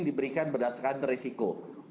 diberikan berdasarkan risiko